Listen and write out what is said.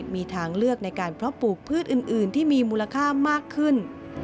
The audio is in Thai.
มีทางเลือกในการเพาะปลูกพืชอื่นที่มีมูลค่ามากขึ้น